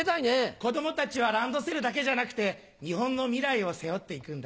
子供たちはランドセルだけじゃなくて日本の未来を背負って行くんだ。